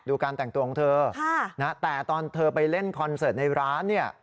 การแต่งตัวของเธอแต่ตอนเธอไปเล่นคอนเสิร์ตในร้านเนี่ย